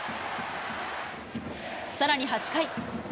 さらに８回。